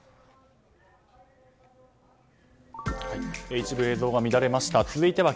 一部、映像が乱れました。